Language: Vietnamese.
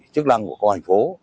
chức năng của các hoành phố